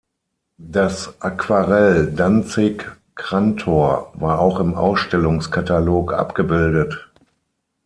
Das Aquarell "Danzig-Krantor" war auch im Ausstellungskatalog abgebildet.